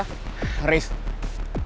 bisa nemuin mereka